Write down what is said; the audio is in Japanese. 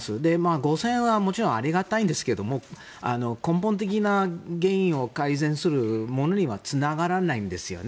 ５０００円はもちろんありがたいんですけど根本的な原因を改善するものにはつながらないんですよね。